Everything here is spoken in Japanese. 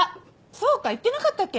そうか言ってなかったっけ？